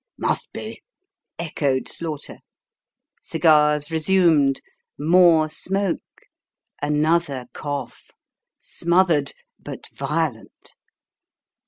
' Must be," echoed Slaughter. Cigars resumed more smoke another cough smothered, but violent.